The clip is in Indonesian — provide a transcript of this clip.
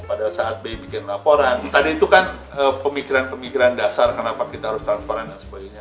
pada saat bi bikin laporan tadi itu kan pemikiran pemikiran dasar kenapa kita harus transparan dan sebagainya